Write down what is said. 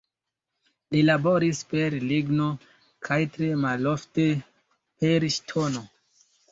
Li laboris per ligno kaj tre malofte per ŝtono.